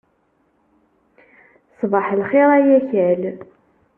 Ṣbaḥ lxir ay akal.